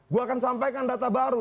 gue akan sampaikan data baru